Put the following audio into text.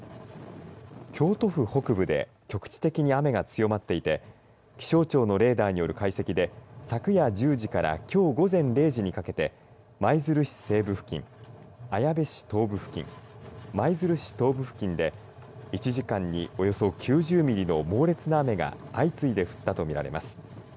京都府北部で局地的に雨が強まっていて気象庁のレーダーによる解析で昨夜１０時からきょう午前０時にかけて舞鶴市西部付近、綾部市東部付近、舞鶴市東部付近で１時間におよそ９０ミリの猛烈な雨が相次いで降ったと見られます。